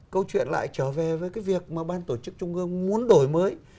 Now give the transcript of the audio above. câu chuyện lại trở về với cái việc mà ban tổ chức trung ương muốn đổi mới